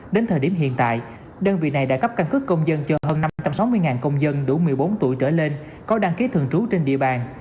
đến thời điểm hiện tại đơn vị này đã cấp căn cước công dân cho hơn năm trăm sáu mươi công dân đủ một mươi bốn tuổi trở lên có đăng ký thường trú trên địa bàn